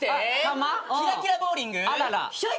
キラキラボウリングひょいっ。